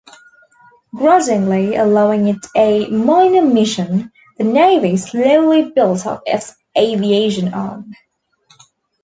Grudgingly allowing it a minor mission, the navy slowly built up its aviation arm.